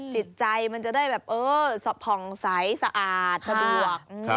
จิตใจมันจะได้แบบเออผ่องใสสะอาดสะดวก